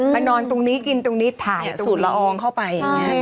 มานอนตรงนี้กินตรงนี้ถ่ายสูตรลองเข้าไป